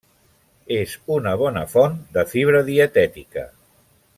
És una bona font de fibra dietètica.